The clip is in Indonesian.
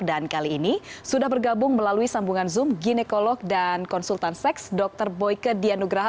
dan kali ini sudah bergabung melalui sambungan zoom ginekolog dan konsultan seks dr boyke dianugraha